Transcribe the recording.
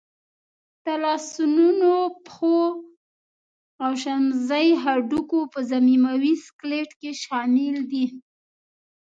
د لاسنونو، پښو او شمزۍ هډوکي په ضمیموي سکلېټ کې شامل دي.